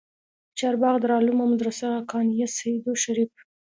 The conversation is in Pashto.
د چارباغ دارالعلوم او مدرسه حقانيه سېدو شريف